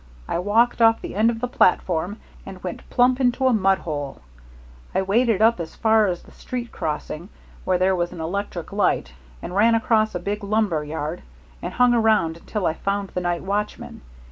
I walked off the end of the platform, and went plump into a mudhole. I waded up as far as the street crossing, where there was an electric light, and ran across a big lumber yard, and hung around until I found the night watchman.